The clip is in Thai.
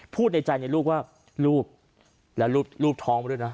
พูดในใจในลูกว่าลูกและลูกท้องมาด้วยนะ